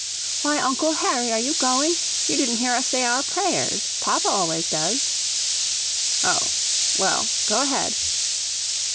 "Why, Uncle Harry, are you going? You didn't hear us say our prayers, papa always does." "Oh! Well, go ahead."